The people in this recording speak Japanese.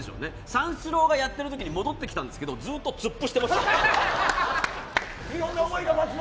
三四郎がやってるときに戻ってきたんですけどずっと突っ伏してました。